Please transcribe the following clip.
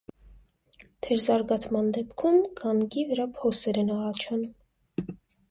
Թերզարգացման դեպքում գանգի վրա փոսեր են առաջանում։